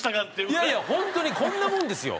いやいや本当にこんなもんですよ。